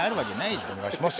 よろしくお願いします。